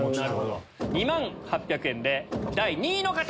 ２万８００円で第２位の方！